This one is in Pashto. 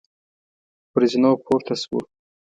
پر زینو پورته شوو.